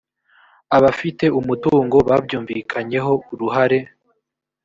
abafite umutungo babyumvikanyeho uruhare